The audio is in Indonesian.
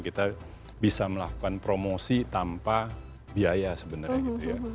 kita bisa melakukan promosi tanpa biaya sebenarnya gitu ya